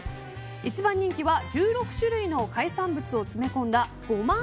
一番人気は１６種類の海産物を詰め込んだご満悦